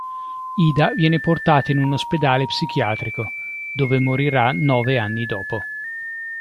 Ida viene portata in un ospedale psichiatrico, dove morirà nove anni dopo.